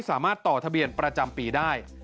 สามารถต่อทะเบียนประจำปีได้